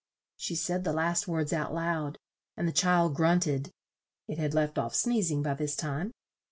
She said the last words out loud, and the child grunt ed (it had left off sneez ing by this time).